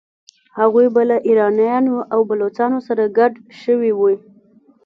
هغوی به له ایرانیانو او بلوڅانو سره ګډ شوي وي.